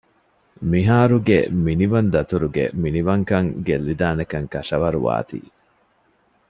މިހާރުގެ މިނިވަން ދަތުރުގެ މިނިވަންކަން ގެއްލިދާނެކަން ކަށަވަރުވާތީ